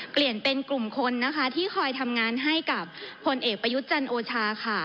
เปลี่ยนเป็นกลุ่มคนนะคะที่คอยทำงานให้กับพลเอกประยุทธ์จันทร์โอชาค่ะ